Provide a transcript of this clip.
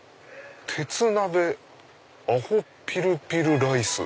「鉄鍋アホピルピルライス」？